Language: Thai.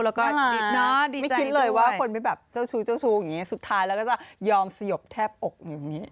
แล้วก็ดีใจด้วยไม่คิดเลยว่าคนไม่แบบเจ้าชู้อย่างนี้สุดท้ายเราก็จะยอมสยบแทบอกมึงอย่างนี้